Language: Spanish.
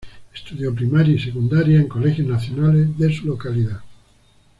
Estudió primaria y secundaria en colegios nacionales de su localidad.